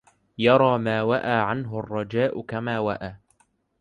يرى ما وأى عنه الرجاء كما وأى